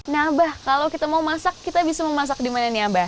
nah abah kalau kita mau masak kita bisa memasak di mana nih abah